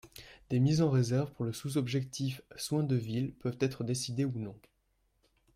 Des mises en réserve pour le sous-objectif soins de ville peuvent être décidées ou non.